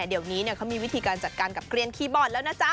เดี๋ยวนี้เขามีวิธีการจัดการกับเกลียนคีย์บอร์ดแล้วนะจ๊ะ